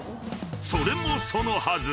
［それもそのはず。